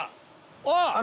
あっ！